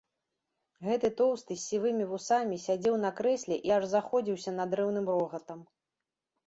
Гэты тоўсты, з сівымі вусамі сядзеў на крэсле і аж заходзіўся надрыўным рогатам.